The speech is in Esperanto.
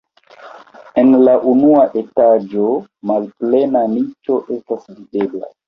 En la unua etaĝo malplena niĉo estas videbla.